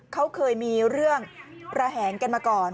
เขาเคยมีเรื่องระแหงกันมาก่อน